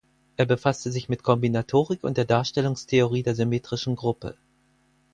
Er befasste sich mit Kombinatorik und der Darstellungstheorie der symmetrischen Gruppe.